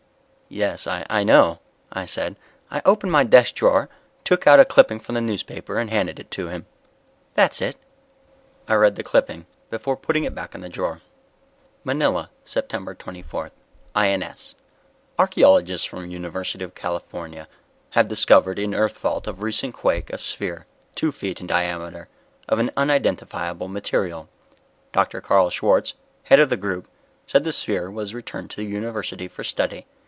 "Yes, I know," I said. I opened my desk drawer, took out a clipping from the newspaper, and handed it to him. "That's it." I read the clipping before putting it back in the drawer. Manila, Sept. 24 (INS) Archeologists from University of California have discovered in earth fault of recent quake a sphere two feet in diameter of an unidentifiable material. Dr. Karl Schwartz, head of the group, said the sphere was returned to the University for study.